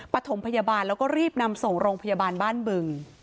ปฐมพยาบาลแล้วก็รีบนำส่งโรงพยาบาลบ้านบึง